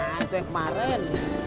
nah itu yang kemarin